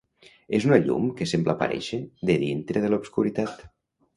És una llum que sembla aparèixer de dintre de l'obscuritat.